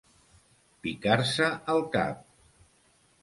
Picar-se el cap.